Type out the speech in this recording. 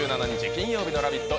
金曜日の「ラヴィット！」。